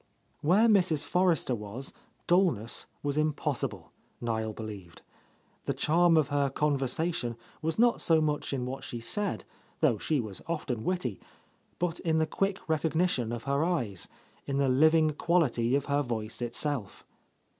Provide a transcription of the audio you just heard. Where Mrs. Forrester was, dulness was im possible, Niel believed. The charm of her con versation was not so much in what she said, though she was often witty, but in the quick recognition of her eyes, in the living quality of her voice itself.